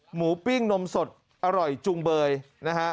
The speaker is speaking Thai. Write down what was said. ปิ้งนมสดอร่อยจุงเบยนะฮะ